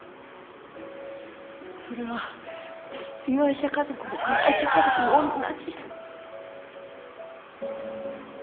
それは被害者家族も加害者家族もおんなじ。